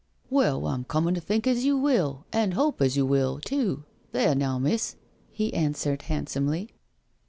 " Well, I'm comin' to think as you will and 'ope as you will, too— there now, missl" he answered hand somely.